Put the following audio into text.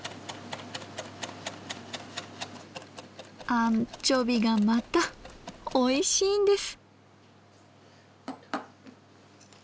アンチョビがまたおいしいんです！